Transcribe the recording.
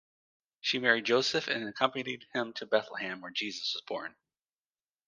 She married Joseph and accompanied him to Bethlehem, where Jesus was born.